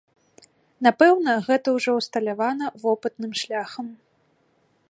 Напэўна, гэта ўжо ўсталявана вопытным шляхам.